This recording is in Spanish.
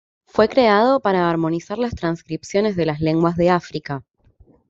Fue creado para armonizar las transcripciones de las lenguas de África.